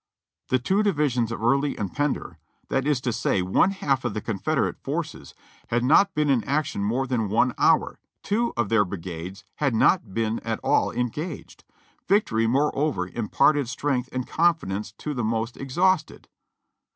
The two divisions of Early and Pender — that is to say, one half of the Con federate forces — had not been in action more than one hour ; two of their brigades had not been at all engaged ; victory, more over, imparted strength and confidence to the most exhausted.